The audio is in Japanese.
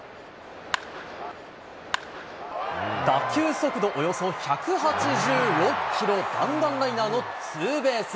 打球速度およそ１８６キロ、弾丸ライナーのツーベース。